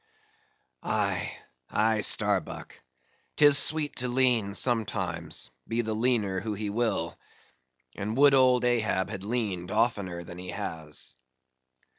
"Aye, aye, Starbuck, 'tis sweet to lean sometimes, be the leaner who he will; and would old Ahab had leaned oftener than he has."